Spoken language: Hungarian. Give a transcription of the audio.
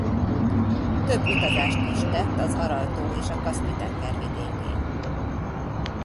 Több utazást is tett az Aral-tó és a Kaszpi-tenger vidékén.